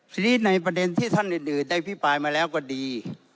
ทีนี้ในประเด็นที่ท่านอื่นได้พิปรายมาแล้วก็ดี